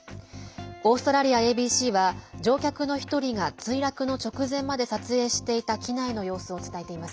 オーストラリアＡＢＣは乗客の１人が墜落の直前まで撮影していた機内の様子を伝えています。